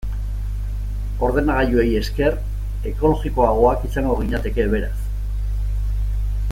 Ordenagailuei esker, ekologikoagoak izango ginateke, beraz.